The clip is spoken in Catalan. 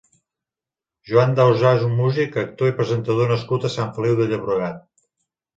Joan Dausà és un músic, actor i presentador nascut a Sant Feliu de Llobregat.